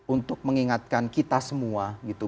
untuk mengingatkan kita semua gitu